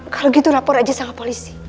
kalau gitu lapor aja sama polisi